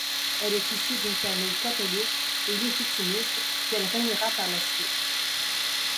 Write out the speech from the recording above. Elle est issue d'une famille catholique et légitimiste qu’elle reniera par la suite.